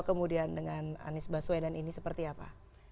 kemudian dengan anies baswai dan ini seperti apa